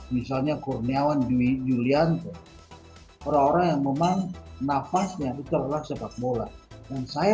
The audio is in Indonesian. misalnya kurniawan juliante orang orang yang memang nafasnya itu adalah sepak bola dan saya